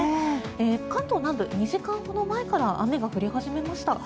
関東南部、２時間ほど前から雨が降り始めました。